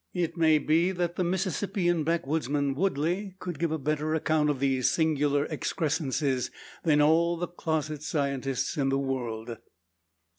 It may be that the Mississippian backwoodsman, Woodley, could give a better account of these singular excrescences than all the closet scientists in the world.